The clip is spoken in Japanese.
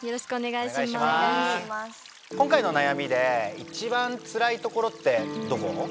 今回の悩みで一番つらいところってどこ？